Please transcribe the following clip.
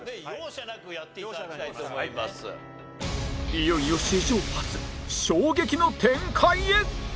いよいよ史上初衝撃の展開へ！